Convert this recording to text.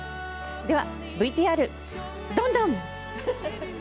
ではＶＴＲどんどん！